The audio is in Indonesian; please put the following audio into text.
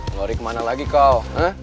lari kemana lagi kau